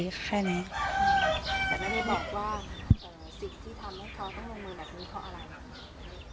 แต่ไม่ได้บอกว่าสิ่งที่ทำให้เขาต้องลงมือแบบนี้เพราะอะไร